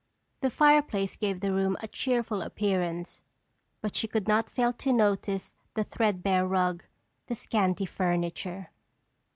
The fireplace gave the room a cheerful appearance but she could not fail to notice the threadbare rug, the scanty furniture.